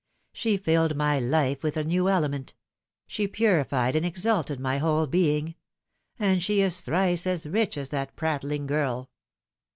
She filled my life with a new element. She purified and exalted my whole being. And she is thrice as rich as that prattling girl